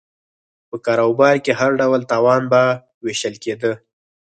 په کاروبار کې هر ډول تاوان به وېشل کېده